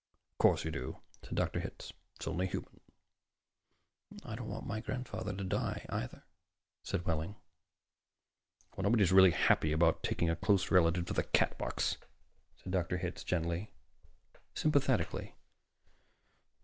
"Of course you do," said Dr. Hitz. "That's only human." "I don't want my grandfather to die, either," said Wehling. "Nobody's really happy about taking a close relative to the Catbox," said Dr. Hitz gently, sympathetically.